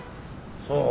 そう？